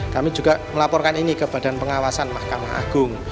kami juga melaporkan ini ke badan pengawasan mahkamah agung